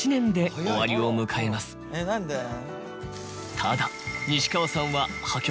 ただ。